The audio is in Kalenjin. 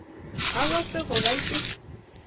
akose ko kaitit